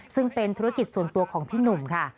ซึ่งเป็นธุรกิจส่วนตัวของพี่หนุ่มค่ะ